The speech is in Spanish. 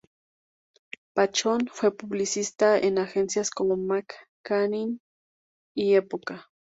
Pachón fue publicista en agencias como McCann y Época.